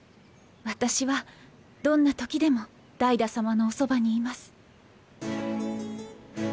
私はどんなときでもダイダ様のおそばにいます。